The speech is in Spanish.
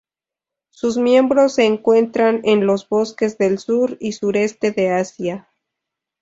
Sus miembros se encuentran en los bosques del sur y sureste de Asia.